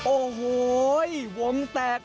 โอ้โหวงแตก